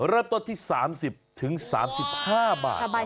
เริ่มต้นที่๓๐๓๕บาท